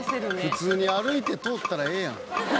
「普通に歩いて通ったらええやん」